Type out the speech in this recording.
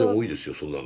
そんなの。